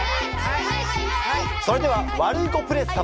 それではワルイコプレス様。